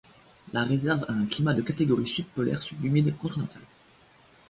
La réserve a un climat de catégorie subpolaire subhumide continental.